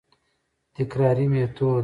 تکراري ميتود: